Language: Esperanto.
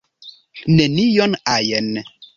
"Nenion ajn."